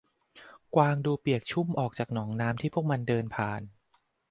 กวางดูเปียกชุ่มออกจากหนองน้ำที่พวกมันเดินผ่าน